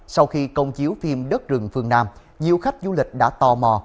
sau khi công chiếu phim đất rừng phương nam nhiều khách du lịch đã tò mò